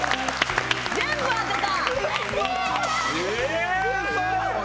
全部当てた！